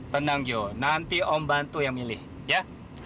tenang jo nanti om bantu yang milih ya